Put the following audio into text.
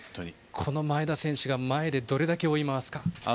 前田選手が前でどれだけ追い回すか。